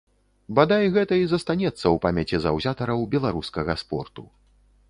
Бадай, гэта і застанецца ў памяці заўзятараў беларускага спорту.